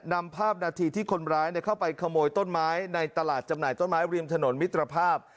นำภาพนาทีที่คนร้ายเข้าไปขโมยต้นไม้ในตลาดจำหน่ายต้นไม้ริมถนนมิตรภาพ